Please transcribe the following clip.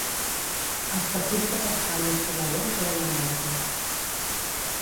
Els partits de Pascal i Espadaler en queden al marge.